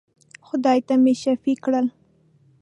خدای ته مي شفېع کړل.